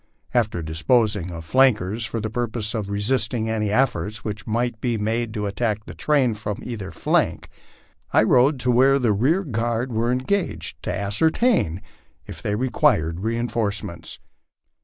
After disposing of flankers, for the purpose of resisting any efforts which might be made to attack the train from either flank, I rode back to where the rear guard were engaged, to ascertain if they required reinforcements.